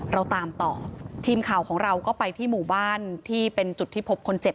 เราตามต่อทีมข่าวของเราก็ไปที่หมู่บ้านที่เป็นจุดที่พบคนเจ็บ